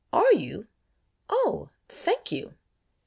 "Are you? O ! thank you."